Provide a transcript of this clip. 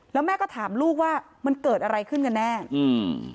แล้วแม่ก็ถามลูกว่ามันเกิดอะไรขึ้นกันแน่อืม